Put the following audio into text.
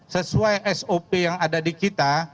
sesuai sop yang ada di kita